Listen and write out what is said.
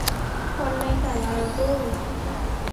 คนในแต่ละรุ่น